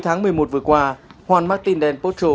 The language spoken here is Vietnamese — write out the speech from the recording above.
từ mùa vừa qua joan martin dancocho